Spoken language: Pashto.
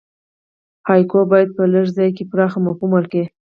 هایکو باید په لږ ځای کښي پراخ مفهوم ورکي.